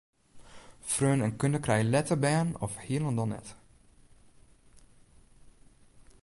Freonen en kunde krije letter bern of hielendal net.